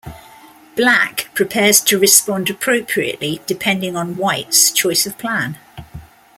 Black prepares to respond appropriately depending on White's choice of plan.